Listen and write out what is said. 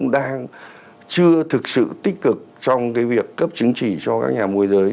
đang chưa thực sự tích cực trong cái việc cấp chứng chỉ cho các nhà môi giới